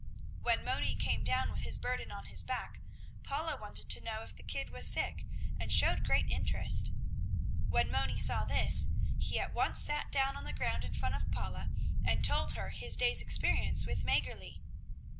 When Moni came down with his burden on his back, Paula wanted to know if the kid was sick, and showed great interest. When Moni saw this, he at once sat down on the ground in front of Paula and told her his day's experience with Mäggerli.